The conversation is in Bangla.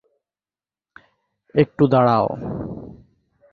একটু দাঁড়াও।